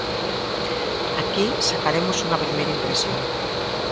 Aquí sacaremos unha primeira impresión.